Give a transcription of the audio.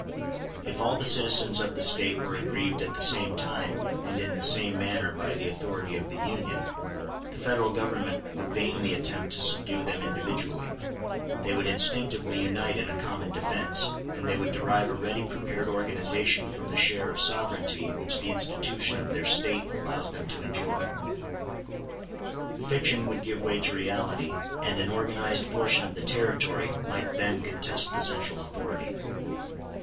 If all the citizens of the State were aggrieved at the same time and in the same manner by the authority of the Union, the Federal Government would vainly attempt to subdue them individually; they would instinctively unite in a common defence, and they would derive a ready prepared organization from the share of sovereignty which the institution of their State allows them to enjoy. Fiction would give way to reality, and an organized portion of the territory might then contest the central authority.